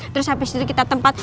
terus abis itu kita tempatkan